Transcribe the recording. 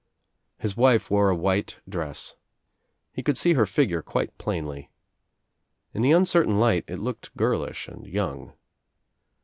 His wife wore a white dress. He could see her figure quite plainly. In the uncertain light It looked girlish and young.